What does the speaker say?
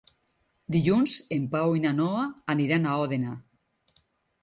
Dilluns en Pau i na Noa aniran a Òdena.